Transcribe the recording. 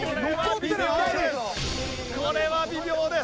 これは微妙です！